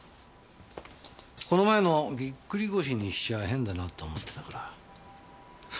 この前のぎっくり腰にしちゃ変だなと思ってたから。